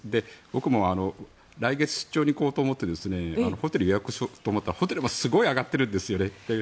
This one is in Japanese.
僕も来月、出張に行こうと思ってホテルを予約しようと思ったらホテルもすごく上がっているんですよね。